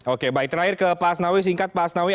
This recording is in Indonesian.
oke baik terakhir ke pak hasnawi singkat pak hasnawi